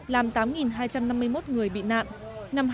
làm tám hai trăm năm mươi một người bị nạn